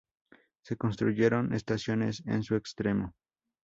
Se construyeron estaciones en su extremo.